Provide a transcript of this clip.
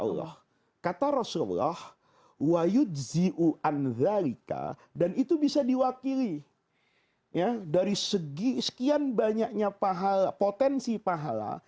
allah kata rasulullah dan itu bisa diwakili ya dari segi sekian banyaknya pahala potensi pahala